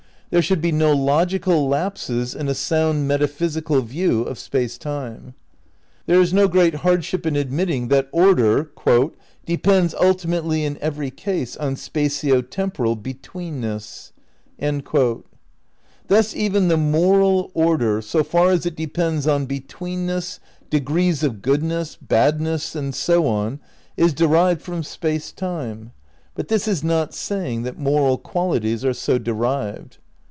There should be no logical lapses in a sound metaphysical view of Space Time. There is no great hardship in admitting that Order "depends ultimately in every case on spatio temporal between ness." Thus even the moral order, so far as it depends on betweenness, degrees of goodness, badness and so on, is derived from Space Time. But this is not saying that moral qualities are so derived.